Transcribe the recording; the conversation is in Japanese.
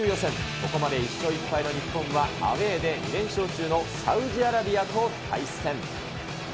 ここまで１勝１敗の日本は、アウエーで連勝中のサウジアラビアと対戦。